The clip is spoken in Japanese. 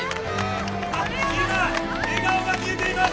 今、笑顔が見えています。